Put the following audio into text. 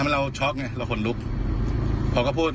แบบนี้อะไรก็เอาสมบูรณ์